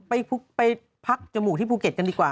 ไปพักจมูกที่ภูเก็ตกันดีกว่า